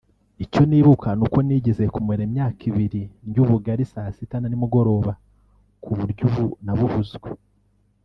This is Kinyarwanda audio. icyo nibuka ni uko nigeze kumara imyaka ibiri ndya ubugari saa sita na nimugoroba ku buryo ubu nabuhuzwe